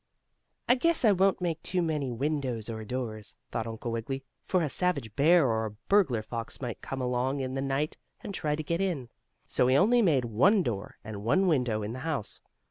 "I guess I won't make too many windows or doors," thought Uncle Wiggily, "for a savage bear or a burglar fox might come along in the night, and try to get in." So he only made one door, and one window in the house.